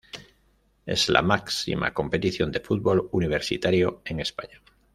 Es la máxima competición de fútbol universitario en España.